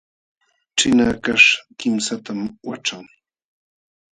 Ćhina hakaśh kimsatam waćhan.